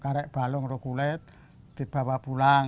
kerek balung kulit dibawa pulang